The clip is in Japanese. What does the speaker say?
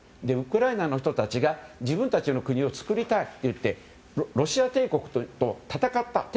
ウクライナの人たちが自分たちの国を作りたいといってロシア帝国と戦った。